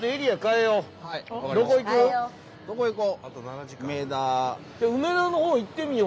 どこ行こう？